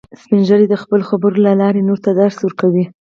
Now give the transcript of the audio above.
سپین ږیری د خپلو خبرو له لارې نورو ته درس ورکوي